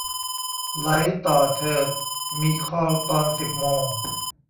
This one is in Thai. ไหลต่อเถิด มีคอลตอนสิบโมง